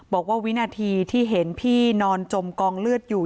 วินาทีที่เห็นพี่นอนจมกองเลือดอยู่